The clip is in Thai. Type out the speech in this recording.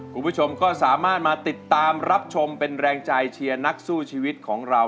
คุณผู้ชมก็สามารถมาติดตามรับชมเป็นแรงใจเชียร์นักสู้ชีวิตของเรา